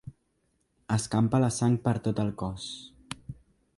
Escampa la sang per tot el cos.